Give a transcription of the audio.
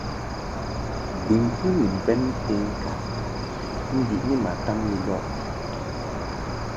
Bɨŋkɨ ni mbɛn penkaʼ mbiʼni ma tam lilɔʼ.